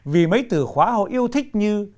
vì mấy từ khóa họ yêu thích như